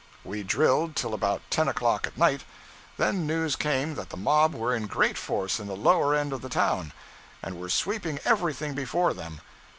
We drilled till about ten o'clock at night; then news came that the mob were in great force in the lower end of the town, and were sweeping everything before them.